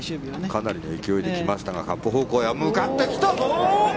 かなりの勢いで来ましたがカップ方向へ向かってきたぞ。